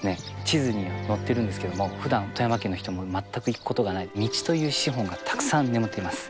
地図には載っているんですけれども普段富山県の人も全く行くことがない道という資本がたくさん眠っています。